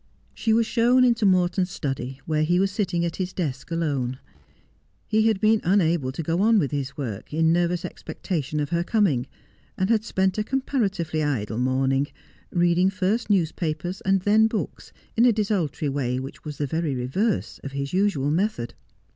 She was shown into Morton's study, where he was sitting at his desk alone. He had been unable to go on with his work, in nervous expectation of her coming, and had spent a compara tively idle morning, reading first newspapers and then books in a desultory way which was the very reverse of his usual method.